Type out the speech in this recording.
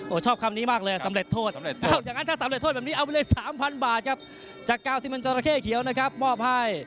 ชอบคำนี้มากเลยสำเร็จโทษสำเร็จอย่างนั้นถ้าสำเร็จโทษแบบนี้เอาไปเลย๓๐๐บาทครับจากกาวซิมันจราเข้เขียวนะครับมอบให้